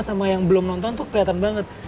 sama yang belum nonton tuh kelihatan banget